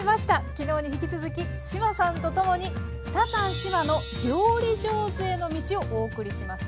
きのうに引き続き志麻さんと共に「タサン志麻の料理上手への道」をお送りします。